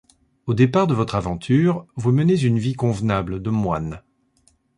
Au départ de votre aventure, vous menez une vie convenable de moine.